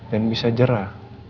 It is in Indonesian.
dan bisa jerah